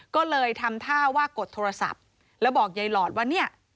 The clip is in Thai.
ก็เลยทำท่าว่ากดโทรศัพท์แล้วบอกยายหลอดว่าเนี่ย